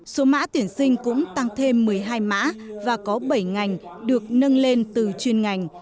số mã tuyển sinh cũng tăng thêm một mươi hai mã và có bảy ngành được nâng lên từ chuyên ngành